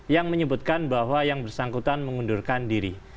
yang menyebutkan bahwa yang bersangkutan mengundurkan diri